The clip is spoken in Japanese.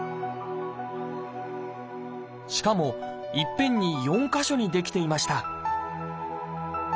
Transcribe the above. しかもいっぺんに４か所に出来ていました